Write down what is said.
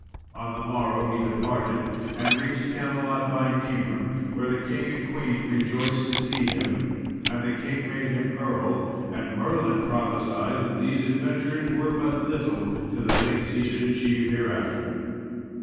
On the morrow he departed, and reached Camelot by noon, where the king and queen rejoiced to see him, and the king made him Earl; and Merlin prophesied that these adventures were but little to the things he should achieve hereafter.